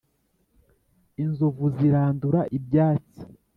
inzovu zirandura ibyatsi